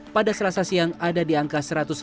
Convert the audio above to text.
pada selasa siang ada di angka satu ratus enam puluh